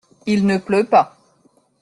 Il ne pleut pas.